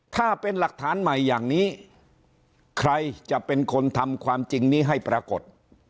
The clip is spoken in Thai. ถ้าเป็นหลักฐานใหม่อย่างนี้ใครจะเป็นคนทำความจริงนี้ให้ปรากฏ